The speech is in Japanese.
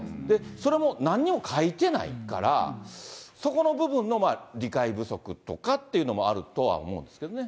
それも何も書いてないから、そこの部分の理解不足とかっていうのもあるとは思うんですけどね。